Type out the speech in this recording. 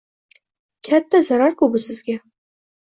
Katta zarar-ku bu sizga